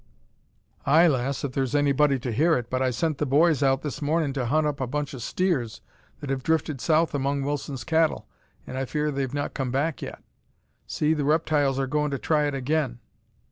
"Ay, lass, if there's anybody to hear it, but I sent the boys out this mornin' to hunt up a bunch o' steers that have drifted south among Wilson's cattle, an' I fear they've not come back yet. See, the reptiles are goin' to try it again!"